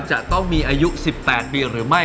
จะต้องมีอายุ๑๘ปีหรือไม่